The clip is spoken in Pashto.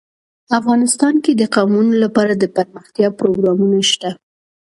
افغانستان کې د قومونه لپاره دپرمختیا پروګرامونه شته.